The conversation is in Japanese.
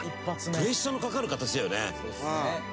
プレッシャーのかかる形だよね。